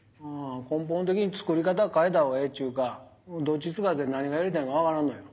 根本的に作り方変えた方がええっちゅうかどっちつかずで何がやりたいんか分からんのよ。